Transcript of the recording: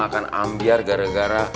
akan ambiar gara gara